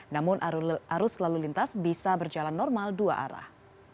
namun arus lalu lintas bisa berjalan normal dua arah